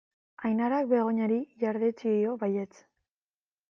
Ainarak Begoñari ihardetsi dio baietz.